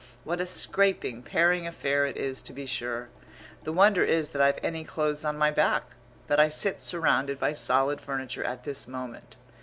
What a scraping paring affair it is to be sure! The wonder is that I've any clothes on my back, that I sit surrounded by solid furniture at this moment.